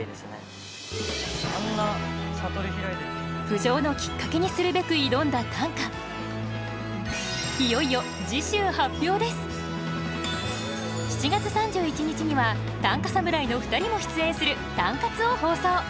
浮上のきっかけにするべく挑んだ短歌７月３１日には短歌侍の２人も出演する「タンカツ」を放送。